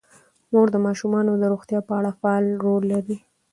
مور د ماشومانو د روغتیا په اړه فعال رول لوبوي.